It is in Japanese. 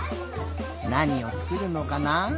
なにをつくるのかな？